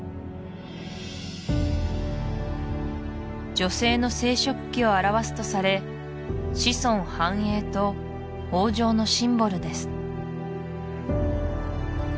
女性の生殖器を表すとされ子孫繁栄と豊穣のシンボルです